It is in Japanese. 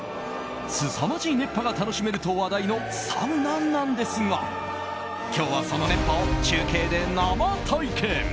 すさまじい熱波が楽しめると話題のサウナなんですが今日はその熱波を中継で生体験！